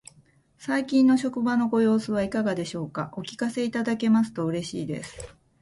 最近の職場のご様子はいかがでしょうか。お聞かせいただけますと嬉しいです。